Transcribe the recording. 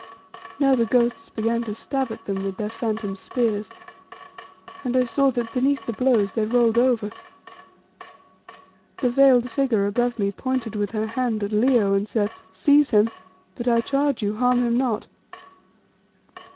Now the ghosts began to stab at them with their phantom spears, and I saw that beneath the blows they rolled over. The veiled figure above me pointed with her hand at Leo and said "Seize him, but I charge you, harm him not."